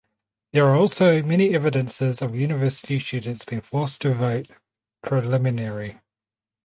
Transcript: There are also many evidences of university students being forced to vote preliminary.